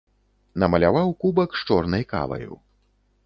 Намаляваў кубак з чорнай каваю.